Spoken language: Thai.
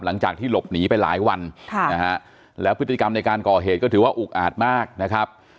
หลังจากที่หลบหนีไปหลายวันแล้วพฤติกรรมในการก่อเหตุก็ถือว่าอุกอาจมากนะครับ